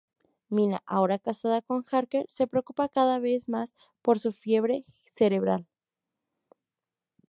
Mina, ahora casada con Harker, se preocupa cada vez más por su fiebre cerebral.